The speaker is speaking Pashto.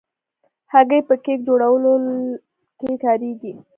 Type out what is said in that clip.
هګۍ په کیک جوړولو کې کارېږي.